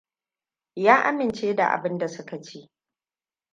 Ya amince da abinda suka ce.